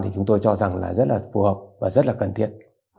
thì chúng tôi cho rằng là rất là phù hợp và rất là cần thiết